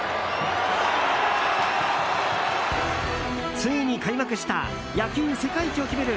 ついに開幕した野球世界一を決める